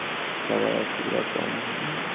সবাই একই রকম।